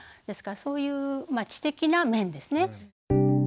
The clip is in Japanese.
ですからそういう知的な面ですね。